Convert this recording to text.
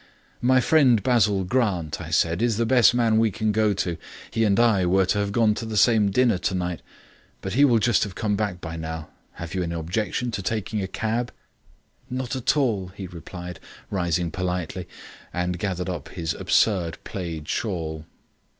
"My friend Basil Grant," I said, "is the best man we can go to. He and I were to have gone to the same dinner tonight; but he will just have come back by now. Have you any objection to taking a cab?" "Not at all," he replied, rising politely, and gathering up his absurd plaid shawl.